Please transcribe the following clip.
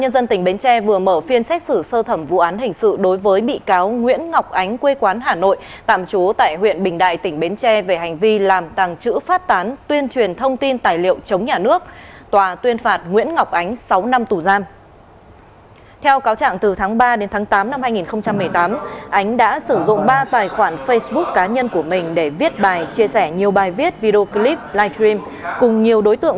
các bạn hãy đăng ký kênh để ủng hộ kênh của chúng mình nhé